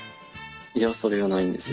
いやそれがないんですよ。